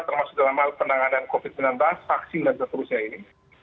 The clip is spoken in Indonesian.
termasuk dalam hal penanganan covid sembilan belas vaksin dan seterusnya ini